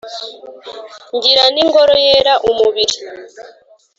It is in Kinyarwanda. Ngira n'ingoro yera umubiri